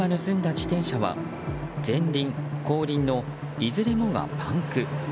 自転車は前輪、後輪のいずれもがパンク。